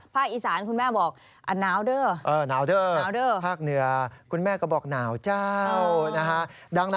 ภาคอีสานคุณแม่บอกนาวเด้อ